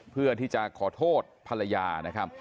เพื่อที่จะขอโทษภรรยานะครับ